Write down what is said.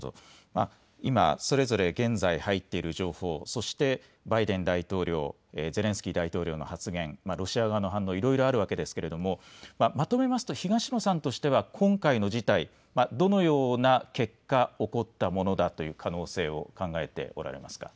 それぞれ現在入っている情報、そしてバイデン大統領、ゼレンスキー大統領の発言、ロシア側の反応いろいろありますがまとめますと東野さんとしては今回の事態どのような結果、起こったものだと考えていますか。